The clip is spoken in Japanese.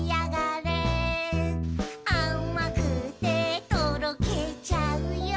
「あまくてとろけちゃうよ」